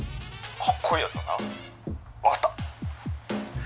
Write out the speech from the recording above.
「かっこいいやつだな。分かった！」。